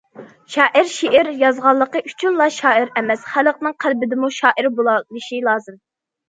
شائىر شېئىر يازغانلىقى ئۈچۈنلا شائىر ئەمەس، خەلقنىڭ قەلبىدىمۇ شائىر بولالىشى لازىم.